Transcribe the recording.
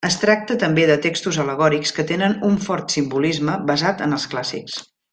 Es tracta també de textos al·legòrics que tenen un fort simbolisme basat en els clàssics.